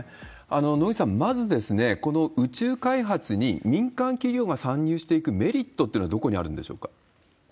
野口さん、まず、この宇宙開発に民間企業が参入していくメリットってのはどこにあるんでしょうか？